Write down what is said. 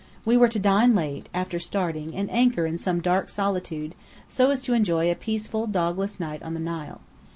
We were to dine late, after starting, and anchor in some dark solitude, so as to enjoy a peaceful, dogless night on the Nile.